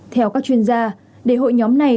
theo các chuyên gia để hội nhóm này